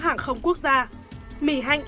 hàng không quốc gia mỹ hạnh